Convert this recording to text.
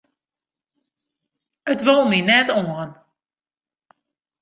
It wol my net oan.